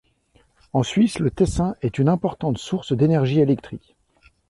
En Suisse, le Tessin est une importante source d'énergie électrique.